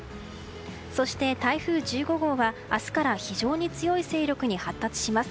そして台風１５号は明日から非常に強い勢力に発達します。